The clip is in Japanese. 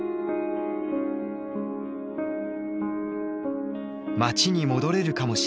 町に戻れるかもしれない。